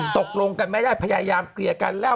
ตกลงกันไม่ได้พยายามเคลียร์กันแล้ว